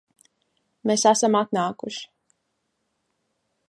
Mēs esam atnākuši